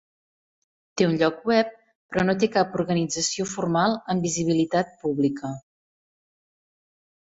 Té un lloc web però no té cap organització formal amb visibilitat pública.